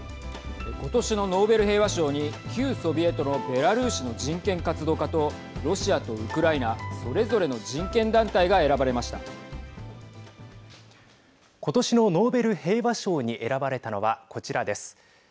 今年のノーベル平和賞に旧ソビエトのベラルーシの人権活動家とロシアとウクライナそれぞれの人権団体が今年のノーベル平和賞に選ばれたのは、こちらです。